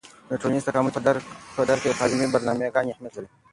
د ټولنیز تکامل په درک کې د تعلیمي برنامه ګانې اهیمت لري.